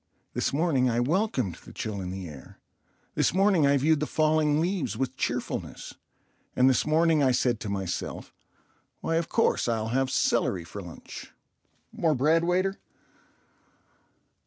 This morning I welcomed the chill in the air; this morning I viewed the falling leaves with cheerfulness; and this morning I said to myself, "Why, of course, I'll have celery for lunch." ("More bread, waiter.")